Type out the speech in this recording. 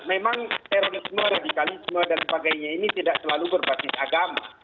memang terorisme radikalisme dan sebagainya ini tidak selalu berbasis agama